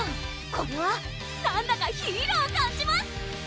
これはなんだかヒーローを感じます！